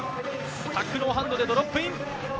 タックノーハンドでドロップイン。